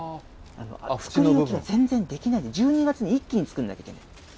作り置きが全然できなくて、１２月に一気に作らなきゃならない。